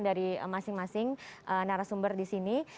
dari masing masing narasumber di sini